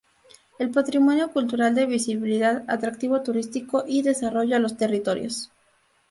El patrimonio cultural da visibilidad, atractivo turístico y desarrollo a los territorios.